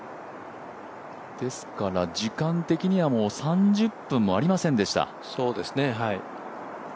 時間的にはもう３０分もありませんでした。